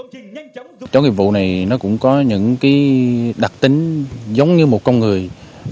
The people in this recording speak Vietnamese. chú chó nghiệp vụ này cũng có những đặc tính giống như một con người